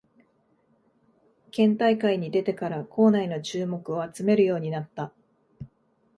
県大会に出てから校内の注目を集めるようになった